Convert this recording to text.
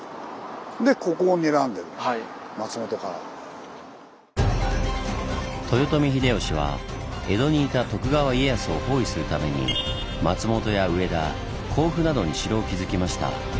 で豊臣秀吉は江戸にいた徳川家康を包囲するために松本や上田甲府などに城を築きました。